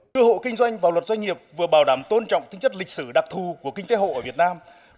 đưa hộ kinh doanh vào luật doanh nghiệp vừa bảo đảm tôn trọng tính chất lịch sử đặc thù của kinh tế hộ ở việt nam